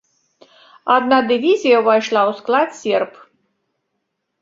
Адна дывізія ўвайшла ў склад серб.